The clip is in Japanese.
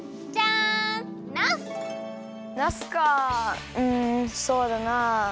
うんそうだな。